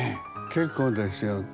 結構ですよ。